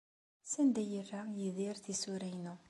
Sanda ay yerra Yidir tisura-inu?